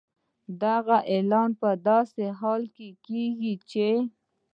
دغه اعلان په داسې حال کې کېږي چې